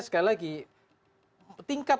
sekali lagi tingkat